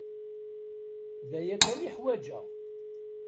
D aya kan i ḥwajeɣ.